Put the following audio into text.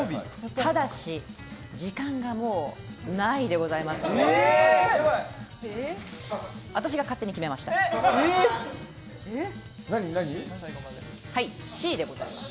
ただし、時間がもうないんでございます。